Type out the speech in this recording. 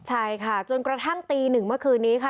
ใช่ค่ะจนกระทั่งตีหนึ่งเมื่อคืนนี้ค่ะ